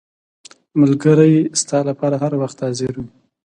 • ملګری ستا لپاره هر وخت حاضر وي.